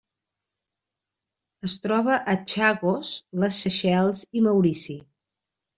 Es troba a Chagos, les Seychelles i Maurici.